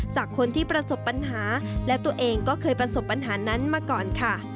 จากคนที่ประสบปัญหาและตัวเองก็เคยประสบปัญหานั้นมาก่อนค่ะ